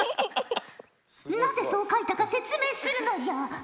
なぜそう描いたか説明するのじゃ！